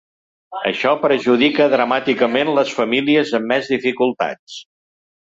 Això perjudica dramàticament les famílies amb més dificultats.